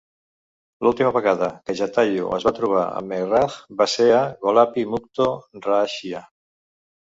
L'última vegada que Jatayu es va trobar amb Meghraj va ser a Golapi Mukto Rahashya.